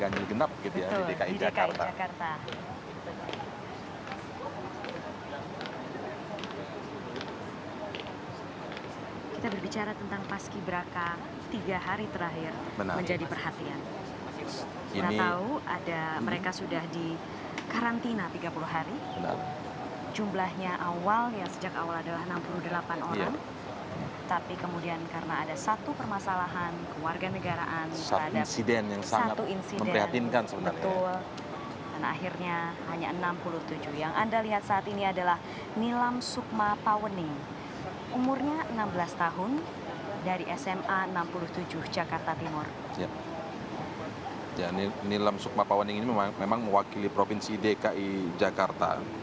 nielam sukmapawan ini memang mewakili provinsi dki jakarta